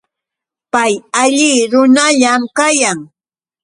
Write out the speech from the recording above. Pay alli runallam kayan.